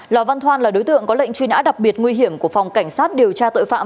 lò văn thoan là đối tượng có lệnh truy nã đặc biệt nguy hiểm của phòng cảnh sát điều tra tội phạm